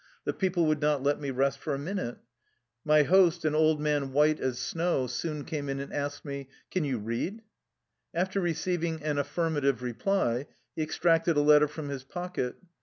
The people would not let me rest for a minute. My host, an old man white as snow, soon came in and asked me :" Can you read? " After receiving an affirmative reply, he ex tracted a letter from his pocket.